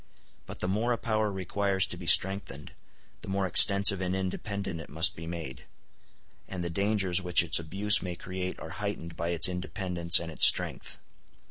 But the more a power requires to be strengthened, the more extensive and independent it must be made; and the dangers which its abuse may create are heightened by its independence and its strength.